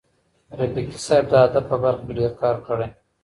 رفیقي صاحب د ادب په برخه کي ډېر کار کړی.